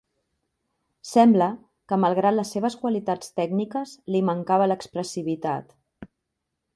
Sembla, que malgrat les seves qualitats tècniques, li mancava l'expressivitat.